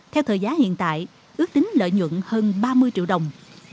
theo thời giá hiện tại ước tính lợi nhuận hơn ba mươi triệu đồng